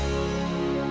menurut kata surat al